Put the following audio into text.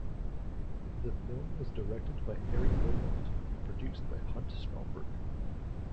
The film was directed by Harry Beaumont and produced by Hunt Stromberg.